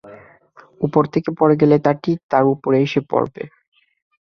উপর থেকে পড়ে গেলে তা ঠিক তার উপরই এসে পড়বে।